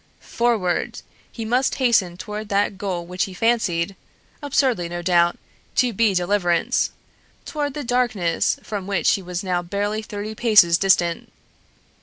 Forward! He must hasten toward that goal which he fancied (absurdly, no doubt) to be deliverance, toward the darkness from which he was now barely thirty paces distant.